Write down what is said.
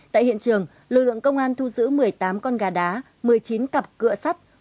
tại hiện trường lực lượng công an thu giữ một mươi tám con gà đá một mươi chín cặp cửa sắt